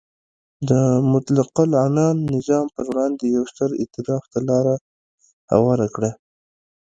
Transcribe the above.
د مطلقه العنان نظام پر وړاندې یو ستر ایتلاف ته لار هواره کړه.